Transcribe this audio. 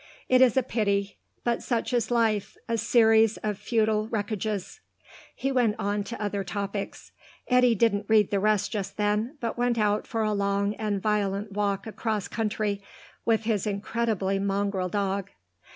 It is a pity. But such is life, a series of futile wreckages." He went on to other topics. Eddy didn't read the rest just then, but went out for a long and violent walk across country with his incredibly mongrel dog.